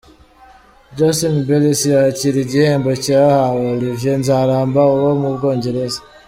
Justin Belis yakira igihembo cyahawe Olivier Nzaramba uba mu Bwongereza.